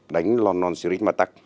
đánh london syrix matak